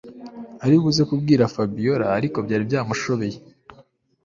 aribuze kubwira Fabiora ariko byari byamushobeye